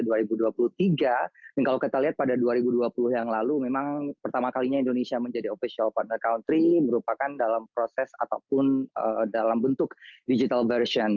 dan kalau kita lihat pada dua ribu dua puluh yang lalu memang pertama kalinya indonesia menjadi official partner country merupakan dalam proses ataupun dalam bentuk digital version